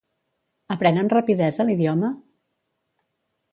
Aprèn amb rapidesa l'idioma?